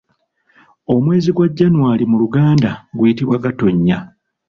Omwezi gwa January mu luganda guyitibwa Gatonya.